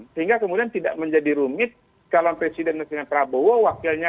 sehingga kemudian tidak menjadi rumit calon presiden prabowo wakilnya